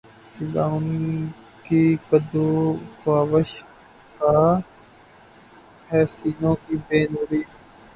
صلہ ان کی کد و کاوش کا ہے سینوں کی بے نوری